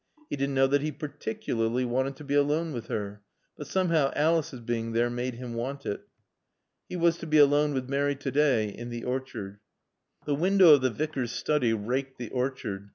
He didn't know that he particularly wanted to be alone with her, but somehow Alice's being there made him want it. He was to be alone with Mary to day, in the orchard. The window of the Vicar's study raked the orchard.